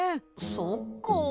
そっか。